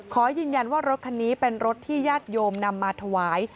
ขอยืนยันว่ารถคันนี้เป็นรถที่ญาติโยมนำมาถวาย